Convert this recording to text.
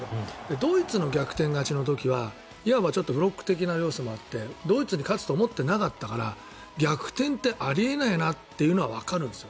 ドイツの逆転勝ちの時はいわばフロック的な要素があってドイツに勝つと思ってなかったから逆転ってあり得ないなというのはわかるんですよ。